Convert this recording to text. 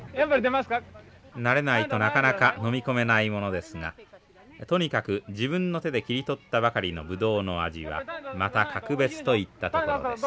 慣れないとなかなか飲み込めないものですがとにかく自分の手で切り取ったばかりのブドウの味はまた格別といったところです。